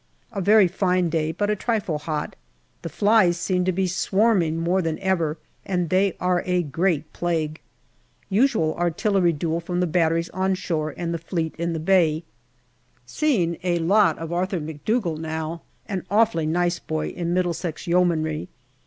A very fine day, but a trifle hot ; the flies seem to be swarming more than ever, and they are a great plague. Usual artillery duel from the batteries on shore and the Fleet in the bay. Seeing a lot of Arthur McDougall now, an awfully nice boy in Middlesex Yeomanry.